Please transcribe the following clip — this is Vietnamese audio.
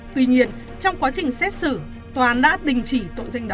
tuy nhiên trong quá trình xét xử tòa đã đình chỉ tội danh đó